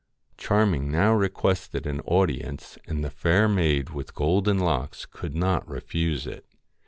Charming now requested an audience, and the Fair Maid with Golden Locks could not refuse it.